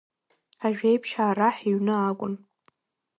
Ажәеиԥшьаа раҳ иҩны акәын.